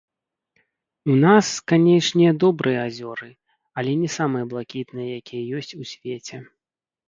У нас, канечне, добрыя азёры, але не самыя блакітныя, якія ёсць у свеце.